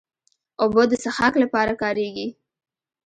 اوبه د څښاک لپاره کارېږي.